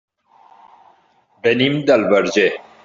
Venim del Verger.